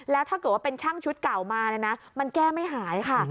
แล้วถ้าเกิดว่าเป็นช่างชุดเก่ามามันแก้ไม่หายค่ะ